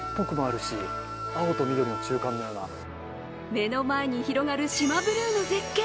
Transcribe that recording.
目の前に広がる四万ブルーの絶景。